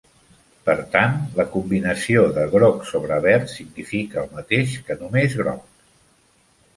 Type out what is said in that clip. Per tant, la combinació de groc sobre verd significa el mateix que només groc.